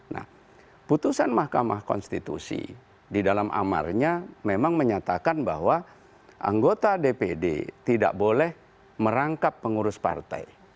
nah putusan mahkamah konstitusi di dalam amarnya memang menyatakan bahwa anggota dpd tidak boleh merangkap pengurus partai